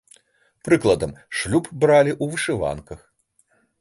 Прыкладам, шлюб бралі ў вышыванках.